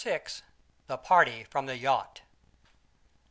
THE PARTY FROM THE YACHT.